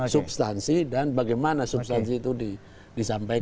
substansi dan bagaimana substansi itu disampaikan